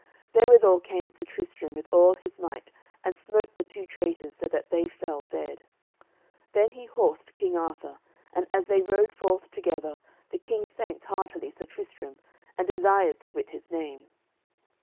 Therewithal came Sir Tristram with all his might, and smote the two traitors so that they fell dead. Then he horsed King Arthur, and as they rode forth together, the King thanked heartily Sir Tristram and desired to wit his name.